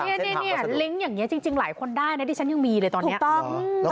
นี่ลิงก์อย่างนี้จริงหลายคนได้นะที่ฉันยังมีเลยตอนนี้